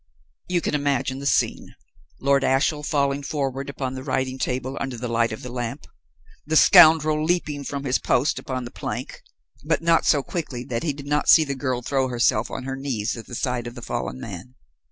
"You can imagine the scene: Lord Ashiel falling forward upon the writing table under the light of the lamp; the scoundrel leaping from his post upon the plank, but not so quickly that he did not see the girl throw herself on her knees at the side of the fallen man.